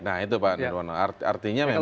nah itu pak nirwono artinya memang